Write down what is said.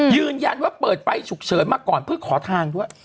ยืนยันว่าเปิดไฟฉุกเฉินมาก่อนเพื่อขอทางด้วย